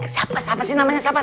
siapa siapa siapa siapa